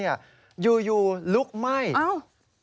อยู่ลุกไหม้อ้าว